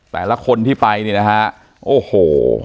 แต่ละคนที่ไปนี่นะฮะโอ้โห